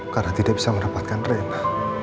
karena tidak bisa mendapatkan rena